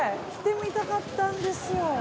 来てみたかったんですよ。